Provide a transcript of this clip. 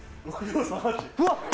・うわっ！